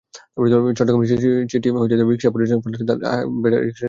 Chittagong city rickshaw মালিক federation হাইকোর্টের আদেশ নিয়ে ব্যাটারিচালিত রিকশা নামিয়েছে।